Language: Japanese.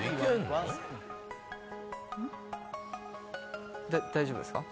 だ大丈夫ですか？